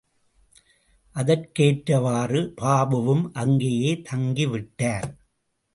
அதற்கேற்றவாறு பாபுவும் அங்கேயே தங்கிவிட்டார்.